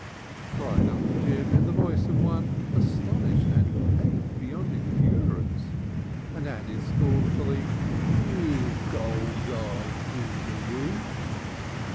cried Uncle Jim in the voice of one astonished and pained beyond endurance, and added scornfully: "You gold eyed Geezer, you!"